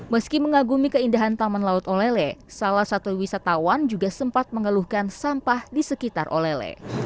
meski mengagumi keindahan taman laut olele salah satu wisatawan juga sempat mengeluhkan sampah di sekitar olele